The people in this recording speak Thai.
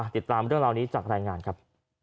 ติดตามเรื่องราวนี้จากรายงานครับ